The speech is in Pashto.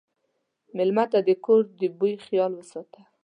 مېلمه ته د کور د بوي خیال وساته.